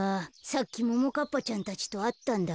さっきももかっぱちゃんたちとあったんだけど。